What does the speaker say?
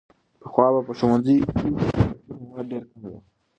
پخوا به په ښوونځیو کې د درسي موادو ډېر کمی و.